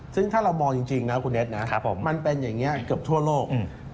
ซึ่งถ้าเรามองจริงนะคุณเน็ตนะมันเป็นอย่างนี้เกือบทั่วโลก